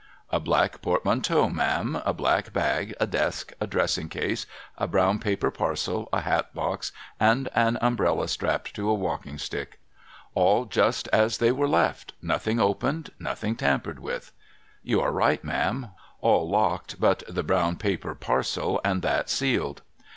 ' A black portmanteau, ma'am, a black bag, a desk, a dressing case, a brown paper parcel, a hat box, and an umbrella strapped to a walking stick.' ' All just as they were left. Nothing opened, nothing tampered with.' ' You are right, ma'am. All locked but the brown paper parcel, and that sealed.'